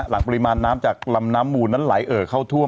ปริมาณน้ำจากลำน้ำมูลนั้นไหลเอ่อเข้าท่วม